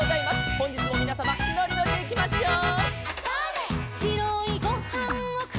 「ほんじつもみなさまのりのりでいきましょう」